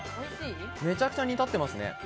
めちゃくちゃ煮立ってますね。